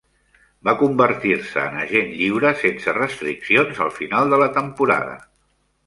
Va convertir-se en agent lliure sense restriccions al final de la temporada.